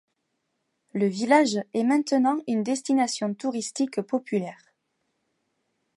Le village est maintenant une destination touristique populaire.